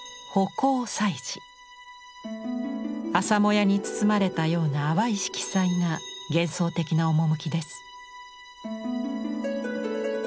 朝もやに包まれたような淡い色彩が幻想的な趣です。